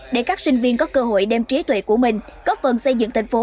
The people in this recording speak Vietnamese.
để các sinh viên có cơ hội đem trí tuệ của mình góp phần xây dựng thành phố